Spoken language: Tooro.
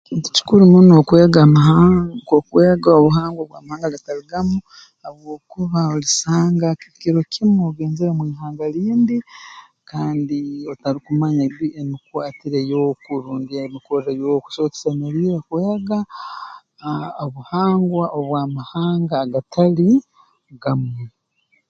Kintu kikuru muno okwega amaha okwega obuhangwa bw'amahanga agatali gamu habwokuba olisanga kiro kimu ogenzere mu ihanga lindi kandi otarukumanya bi emikwatire y'oku rundi emikorre y'oku so tusemeriire kwega aah obuhangwa obw'amahanga agatali gamu